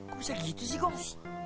kok bisa gitu sih kong